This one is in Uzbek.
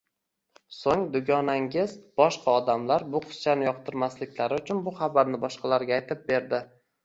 So‘ng dugonangiz boshqa odamlar bu qizchani yoqtirmasliklari uchun bu xabarni boshqalarga aytib berdi.